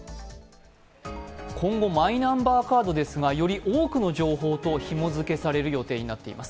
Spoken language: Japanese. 今後マイナンバーカードですがより多くの情報とひも付けされる予定になっています。